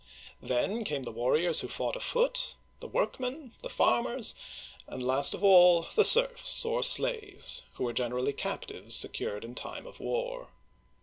Then came the war riors who fought afoot, the workmen, the farmers, and last of all the serfs, or slaves, who were generally captives secured in time of war.